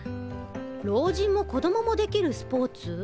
老人も子供もできるスポーツ？